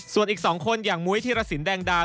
ส่วนอีก๒คนอย่างมุ้ยธิรสินแดงดา